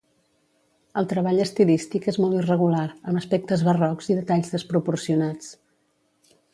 El treball estilístic és molt irregular amb aspectes barrocs i detalls desproporcionats.